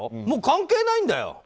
もう関係ないんだよ。